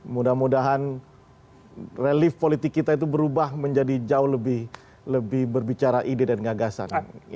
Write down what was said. mudah mudahan relief politik kita itu berubah menjadi jauh lebih berbicara ide dan gagasan